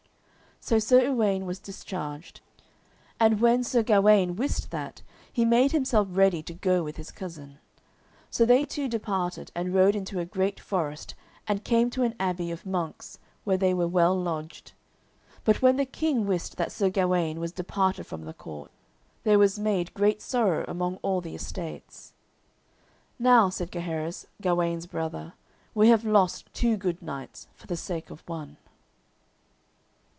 So Sir Uwaine was discharged. And when Sir Gawaine wist that, he made himself ready to go with his cousin. So they two departed, and rode into a great forest, and came to an abbey of monks, where they were well lodged. But when the King wist that Sir Gawaine was departed from the court, there was made great sorrow among all the estates. "Now," said Gaheris, Gawaine's brother, "we have lost two good knights for the sake of one."